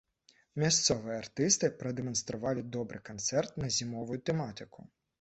Мясцовыя артысты прадэманстравалі добры канцэрт на зімовую тэматыку.